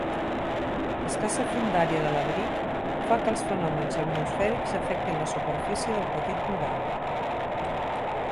L'escassa fondària de l'abric fa que els fenòmens atmosfèrics afectin la superfície del petit mural.